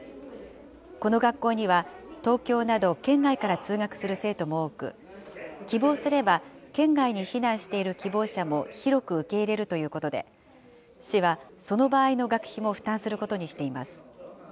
この学校には、東京など県外から通学する生徒も多く、希望すれば県外に避難している希望者も、広く受け入れるということで、市はその場合の学費も負担することにしています。